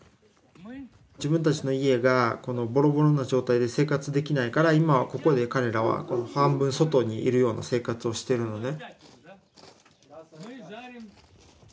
自分たちの家がこのぼろぼろの状態で生活できないから今はここで彼らは半分外にいるような生活をしてるのね。